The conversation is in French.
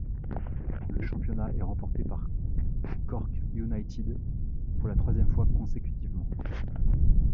Le championnat est remporté par Cork United pour la troisième fois consécutivement.